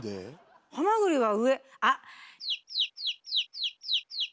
ハマグリは上あ！